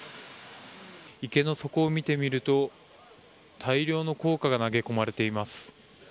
池の底を見てみると大量の硬貨が投げ込まれています。